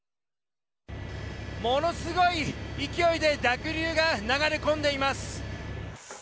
ものすごい勢いで濁流が流れ込んでいます。